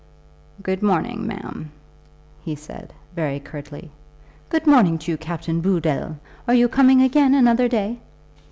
"Good morning, ma'am," he said, very curtly. "Good morning to you, Captain Booddle. Are you coming again another day?"